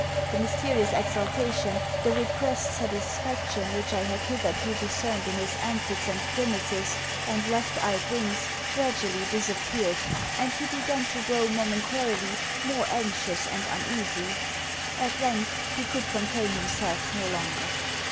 The mysterious exaltation, the repressed satisfaction which I had hitherto discerned in his antics and grimaces and left eyed winks gradually disappeared, and he began to grow momentarily more anxious and uneasy. At length he could contain himself no longer.